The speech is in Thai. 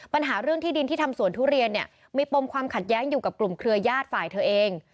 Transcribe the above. ปัญหาเรื่องที่ดินที่ทำสวนทุเรียนเนี่ยมีปมความขัดแย้งอยู่กับกลุ่มเครือญาติฝ่ายเธอเอง